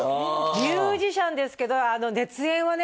ミュージシャンですけどあの熱演はね